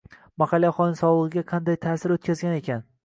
Mahalliy aholining sogʻligʻiga qanday taʼsir oʻtkazgan ekan?